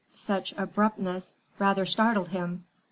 Such abruptness rather startled him.